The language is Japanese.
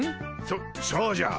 そそうじゃ。